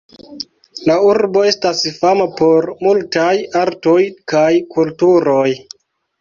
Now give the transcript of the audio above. La urbo estas fama por multaj artoj kaj kulturoj.